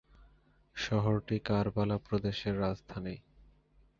শহরটি কারবালা প্রদেশের রাজধানী।